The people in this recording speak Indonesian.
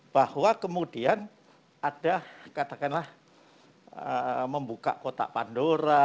bahwa kemudian ada katakanlah membuka kotak pandora